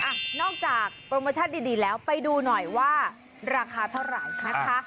อ่ะนอกจากโปรโมชั่นดีแล้วไปดูหน่อยว่าราคาเท่าไหร่นะคะ